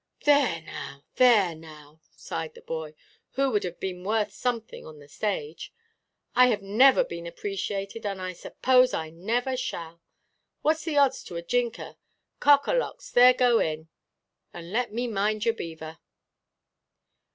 "There now; there now!" sighed the boy—who would have been worth something on the stage—"I have never been appreciated, and suppose I never shall. Whatʼs the odds to a jinker? Cockalocks, there go in, and let me mind your beaver."